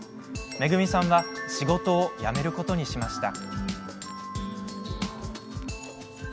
めぐみさんは仕事を辞めることにしました。